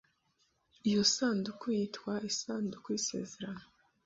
Iyo sanduku yitwa isanduku y’isezerano